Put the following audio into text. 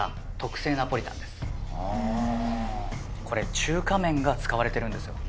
これ中華麺が使われてるんです。